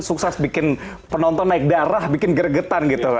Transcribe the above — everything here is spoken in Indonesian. sukses bikin penonton naik darah bikin geregetan gitu